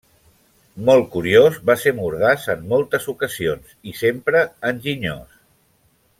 Molt curiós, va ser mordaç en moltes ocasions i sempre enginyós.